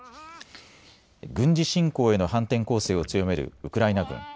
軍事侵攻への反転攻勢を強めるウクライナ軍。